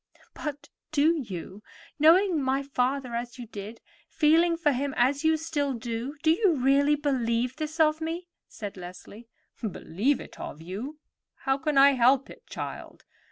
"But do you, knowing my father as you did, feeling for him as you still do—do you really believe this of me?" said Leslie. "Believe it of you? How can I help it, child?